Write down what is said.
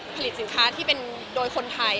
ผลิตสินค้าที่เป็นโดยคนไทย